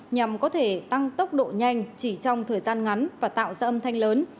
nhằm có thể tăng tốc độ nhanh chỉ trong thời gian ngắn và tạo ra âm thanh lớn